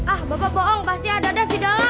ah bapak bohong pasti ada dev di dalem